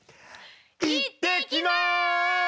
行ってきます！